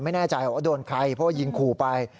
ไม่แน่ใจว่าโดนใครเพราะว่ายิงขู่ไป